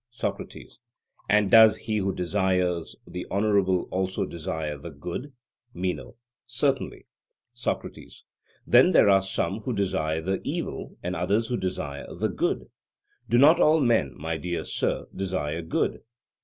SOCRATES: And does he who desires the honourable also desire the good? MENO: Certainly. SOCRATES: Then are there some who desire the evil and others who desire the good? Do not all men, my dear sir, desire good?